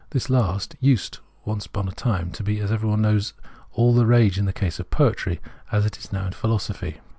This last used once upon a time, as every one knows, to be all the rage in the case of poetry, as it is now in philosophy.